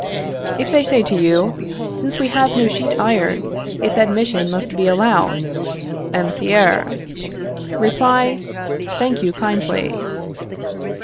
If they say to you: Since we have no sheet iron, its admission must be allowed (M. Thiers) Reply: Thank you, kindly.